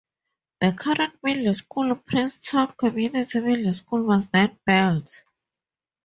The current middle school, Princeton Community Middle School, was then built.